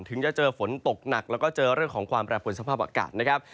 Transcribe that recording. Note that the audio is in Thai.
ถึงจะเจอฝนตกหนักแล้วก็เจอเรื่องของความแปรปวนสภาพอากาศนะครับ